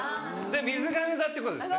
みずがめ座っていうことですね。